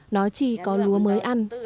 nó chỉ có lúa mới ăn